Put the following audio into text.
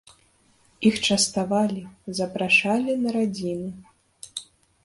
Іх частавалі, запрашалі на радзіны.